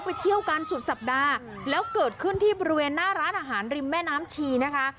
ไปเที่ยวกันสุดสัปดาห์แล้วเกิดขึ้นที่บริเวณหน้าร้านอาหารริมแม่น้ำชีนะคะ